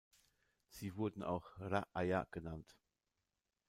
Sie wurden auch raʿāyā genannt.